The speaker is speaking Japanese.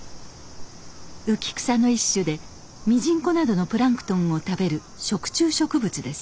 浮き草の一種でミジンコなどのプランクトンを食べる食虫植物です。